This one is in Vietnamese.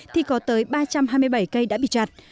thì có tới ba trăm hai mươi bảy cây đã bị chặt